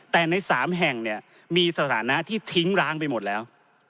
แต่ใน๓แห่งเนี่ยมีสถานะที่ทิ้งร้างไปหมดแล้ว